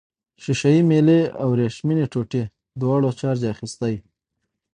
ښيښه یي میلې او وریښمينې ټوټې دواړو چارج اخیستی.